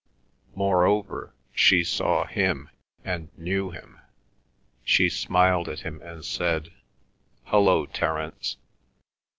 Moreover, she saw him and knew him. She smiled at him and said, "Hullo, Terence."